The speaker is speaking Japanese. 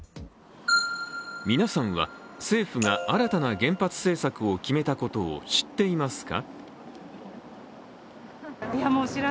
皆さんは政府が新たな原発政策を決めたことを知っていますか？